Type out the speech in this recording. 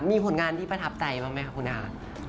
มีผลงานที่ประทับใจบ้างไหมคะคุณอา